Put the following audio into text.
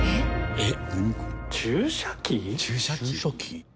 えっ？